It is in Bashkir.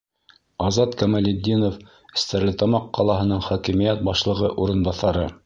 Азат КАМАЛЕТДИНОВ, Стәрлетамаҡ ҡалаһының хакимиәт башлығы урынбаҫары: